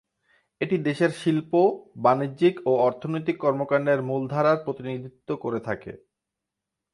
এটি দেশের শিল্প, বাণিজ্যিক ও অর্থনৈতিক কর্মকান্ডের মূলধারার প্রতিনিধিত্ব করে থাকে।